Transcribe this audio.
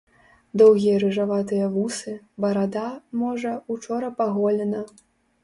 Доўгія рыжаватыя вусы, барада, можа, учора паголена.